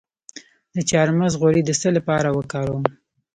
د چارمغز غوړي د څه لپاره وکاروم؟